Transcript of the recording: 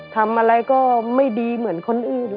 ทำอะไรก็ไม่ดีเหมือนคนอื่น